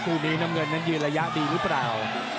คู่นี้น้ำเงินนั้นยืนระยะดีหรือเปล่า